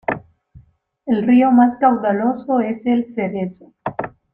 El río más caudaloso es el Cerezo.